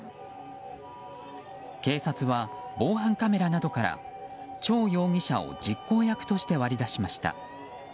警察は防犯カメラなどからチョウ容疑者を実行役として割り出しました。